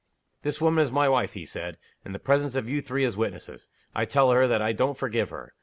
"This woman is my wife," he said. "In the presence of you three, as witnesses, I tell her that I don't forgive her.